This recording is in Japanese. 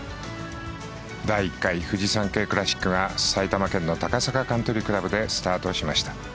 第１回フジサンケイクラシックが埼玉県の高坂カントリークラブでスタートしました。